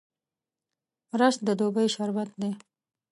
رس د دوبي شربت دی